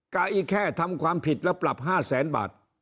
กับอีแค่ทำความผิดแล้วปรับ๕แสนบาท